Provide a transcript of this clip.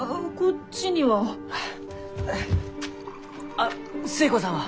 あっ寿恵子さんは？